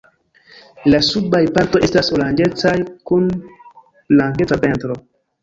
La subaj partoj estas oranĝecaj kun blankeca ventro.